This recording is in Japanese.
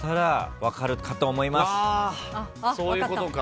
あそういうことか。